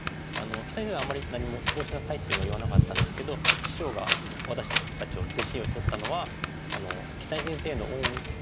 木谷先生はあんまり何もこうしなさいっていうのは言わなかったんですけど師匠が私たちを弟子に取ったのは木谷先生の恩返し